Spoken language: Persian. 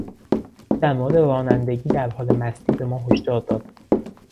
او در مورد رانندگی در حال مستی به ما هشدار داد.